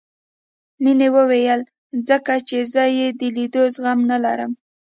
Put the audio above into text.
مينې وويل ځکه چې زه يې د ليدو زغم نه لرم.